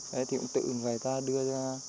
đấy thì cũng tự người ta đưa ra